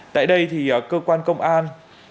tại đây thì cơ quan công an